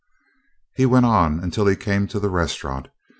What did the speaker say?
He went on until he came to the restaurant.